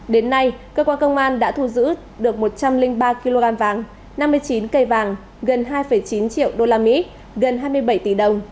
đến nay cơ quan công an đã thu giữ được một trăm linh ba kg vàng năm mươi chín cây vàng gần hai chín triệu usd gần hai mươi bảy tỷ đồng